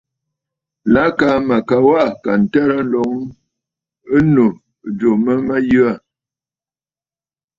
Lâ kaa mə̀ ka waꞌà kà ǹtərə nloŋ ɨnnù jû mə mə̀ yə aà.